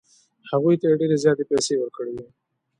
هغوی ته یې ډېرې زیاتې پیسې ورکړې وې.